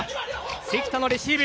関田のレシーブ。